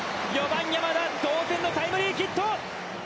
４番山田、同点のタイムリーヒット！